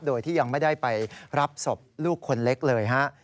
โดยที่ยังไม่ได้ไปรับศพลูกคนเล็กเลยฮะ